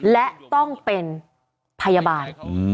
และต้องเป็นพยาบาล